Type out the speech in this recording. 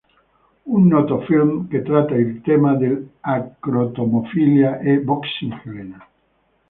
Un noto film che tratta il tema dell'acrotomofilia è "Boxing Helena".